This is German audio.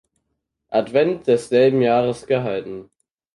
Advent desselben Jahres gehalten.